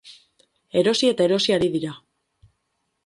Erosi eta erosi ari dira.